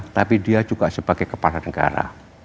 tapi dia juga sebagai kepala negara